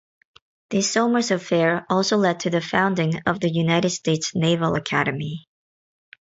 The "Somers" Affair also led to the founding of the United States Naval Academy.